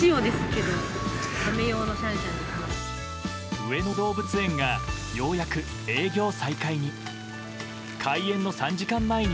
上野動物園がようやく営業再開に。